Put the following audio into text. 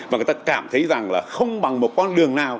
và người ta cảm thấy rằng là không bằng một con đường nào